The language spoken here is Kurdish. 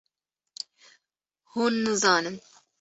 hûn nizanin.